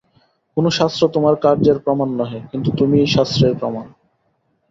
কোন শাস্ত্র তোমার কার্যের প্রমাণ নহে, কিন্তু তুমিই শাস্ত্রের প্রমাণ।